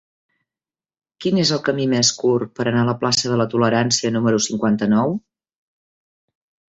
Quin és el camí més curt per anar a la plaça de la Tolerància número cinquanta-nou?